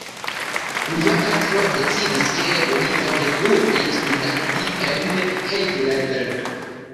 Lia patro decidis, ke li forveturu studadi en Heidelberg.